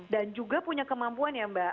dan juga punya kemampuan ya mbak